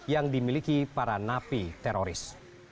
yang dimiliki para napi teroris